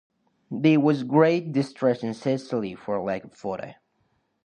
There was great distress in Sicily for lack of water.